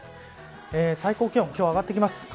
最高気温、今日上がってきます。